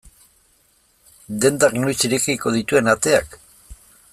Dendak noiz irekiko dituen ateak?